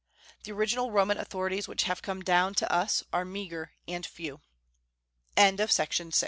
The original Roman authorities which have come down to us are meagre and few. CONSTANTINE THE GREA